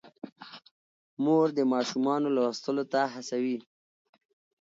مور د ماشومانو لوستلو ته هڅوي.